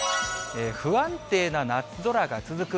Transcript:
不安定な夏空が続く。